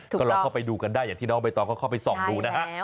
ก็ลองเข้าไปดูกันได้อย่างที่น้องใบตองก็เข้าไปส่องดูนะฮะ